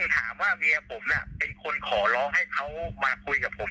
ถามว่าเมียผมเป็นคนขอร้องให้เขามาคุยกับผม